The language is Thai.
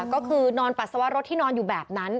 ก็คือนอนปัสสาวะรถที่นอนอยู่แบบนั้น